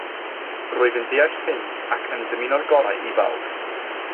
Rwyf yn deall hyn ac yn dymuno'r gorau i bawb